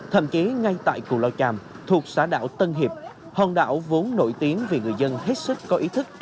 thậm chí ngay tại cù lao tràm thuộc xã đảo tân hiệp hòn đảo vốn nổi tiếng vì người dân hết sức có ý thức